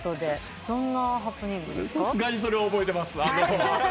さすがにそれは覚えてます。